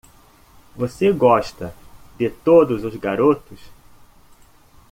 Você gosta de todos os garotos.